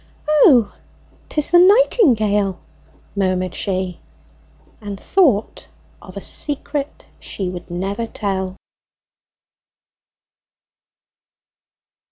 "O, 'tis the nightingale," murmured she, and thought of a secret she would never tell.